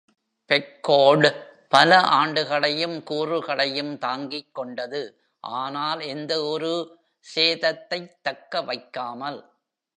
"பெக்கோட்" பல ஆண்டுகளையும் கூறுகளையும் தாங்கிக்கொண்டது, ஆனால் எந்த ஒரு சேதத்தைத் தக்கவைக்காமல்.